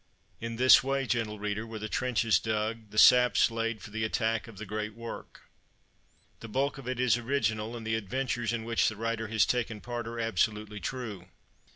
In this way, gentle reader, were the trenches dug, the saps laid for the attack of the great work. The bulk of it is original, and the adventures in which the writer has taken part are absolutely true.